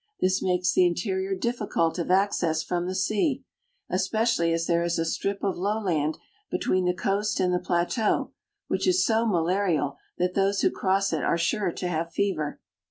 This makes the interior difficult of access from the sea, . FROM NEW YORK TO GIBRALTAR n especially as there is a strip of lowland between the coast and the plateau, which is so malarial that those who cross it are sure to have fever.